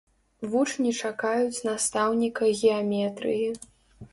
Вучні чакаюць настаўніка геаметрыі.